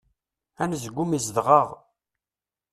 Anezgum izdeɣ-aɣ.